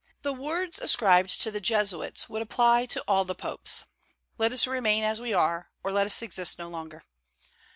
The words ascribed to the Jesuits would apply to all the Popes, "Let us remain as we are, or let us exist no longer."